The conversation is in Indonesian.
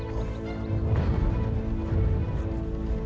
nanti aku akan datang